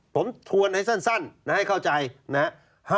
ผมทวนให้สั้นให้เข้าใจนะฮะ